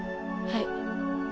はい。